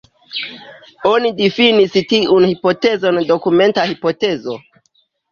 Oni difinis tiun hipotezon dokumenta hipotezo.